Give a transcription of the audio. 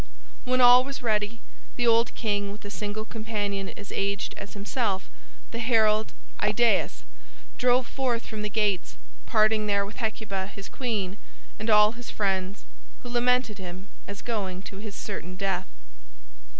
When all was ready, the old king with a single companion as aged as himself, the herald Idaeus, drove forth from the gates, parting there with Hecuba, his queen, and all his friends, who lamented him as going to certain death.